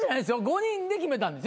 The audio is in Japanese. ５人で決めたんですよ